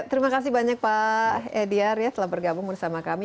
ya terima kasih banyak pak edi ar ya telah bergabung bersama kami